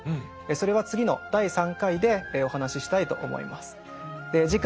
それは次の第３回でお話ししたいと思います。